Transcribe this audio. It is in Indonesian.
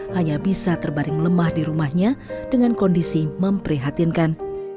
hanya bisa terbaring lemah di rumahnya dengan kondisi memprihatinkan